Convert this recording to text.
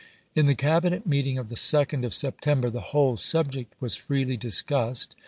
In the Cabinet meeting of the 2d of 1862. September the whole subject was freely discussed.